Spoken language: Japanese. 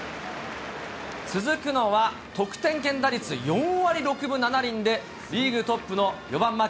続くのは、得点圏打率４割６分７厘で、リーグトップの４番牧。